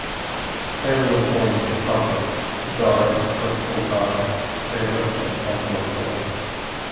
Taylor was born in Chicago, the daughter of Percival Guy Taylor and Angela Taylor.